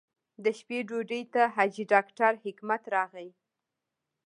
د شپې ډوډۍ ته حاجي ډاکټر حکمت راغی.